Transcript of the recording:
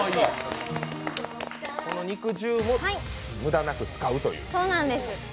この肉汁も無駄なく使うという。